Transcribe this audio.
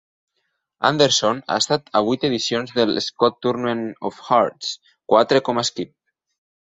Anderson ha estat a vuit edicions del Scott Tournament of Hearts, quatre com a skip.